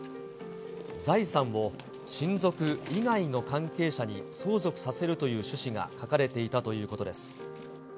財産を親族以外の関係者に相続させるという趣旨が書かれていたということです。